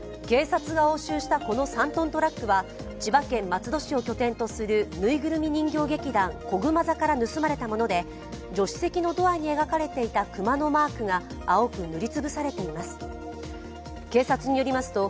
警察が押収したこの３ｔトラックは千葉県松戸市を拠点とするぬいぐるみ人形劇団こぐま座から盗まれたもので、助手席に描かれていた熊のマークが青く塗りつぶされています。